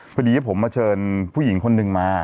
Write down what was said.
พอดีผมมาเชิญผู้หญิงคนหนึ่งมา